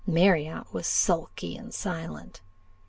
Marriott was sulky and silent.